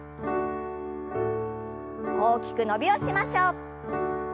大きく伸びをしましょう。